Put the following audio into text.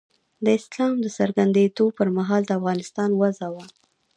د اسلام د څرګندېدو پر مهال د افغانستان وضع وه.